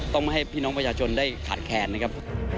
ต้องให้พี่น้องประชาชนได้ขาดแคลนนะครับ